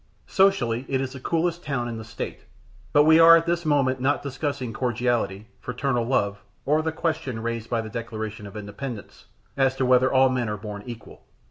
Socially, it is the coolest town in the State; but we are at this moment not discussing cordiality, fraternal love, or the question raised by the Declaration of Independence as to whether all men are born equal.